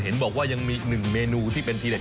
เห็นบอกว่ายังมีอีกหนึ่งเมนูที่เป็นทีเหล็